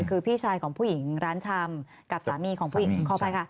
คือพี่ชายของผู้หญิงร้านชำกับสามีของผู้หญิงขออภัยค่ะ